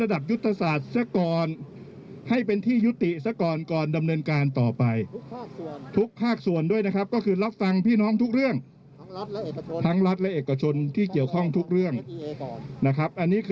เดี๋ยวลองฟังดูค่ะ